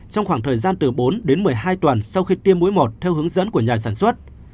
trong khoảng thời gian từ bốn đến một mươi hai tuần sau khi tiêm mũi mọt theo hướng dẫn của nhà sản xuất